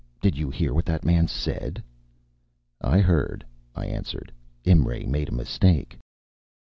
Did you hear what that man said?" "I heard," I answered. "Imray made a mistake."